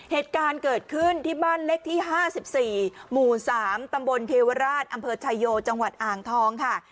เหตุการณ์เกิดขึ้นที่บ้านเลขที่๕๔หมู่๓ตำบลเทวราชอำเภอชายโยจังหวัดอ่างทองค่ะ